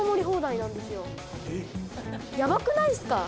ヤバくないっすか？